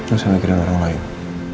gak usah mikirin orang lain